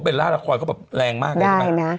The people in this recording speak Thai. บทเบนล่าระครเขาแบบแรงมากได้นะ